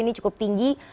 ini cukup tinggi